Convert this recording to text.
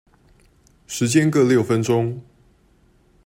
時間各六分鐘